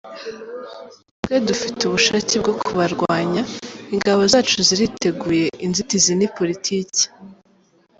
Twe dufite ubushake bwo kubarwanya, ingabo zacu ziriteguye inzitizi ni politiki.